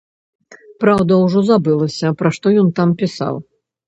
Праўда, ужо забылася, пра што ён там пісаў.